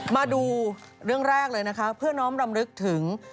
มาดูเรื่องแรกเลยนะคะเพื่อน้องรำลึกถึง